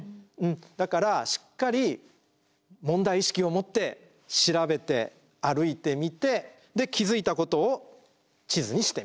だからしっかり問題意識を持って調べて歩いてみてで気付いたことを地図にしてみる。